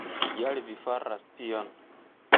Kial vi faras tion?